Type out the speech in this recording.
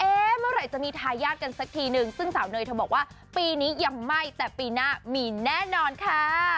เมื่อไหร่จะมีทายาทกันสักทีนึงซึ่งสาวเนยเธอบอกว่าปีนี้ยังไม่แต่ปีหน้ามีแน่นอนค่ะ